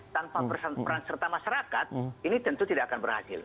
tanpa peran serta masyarakat ini tentu tidak akan berhasil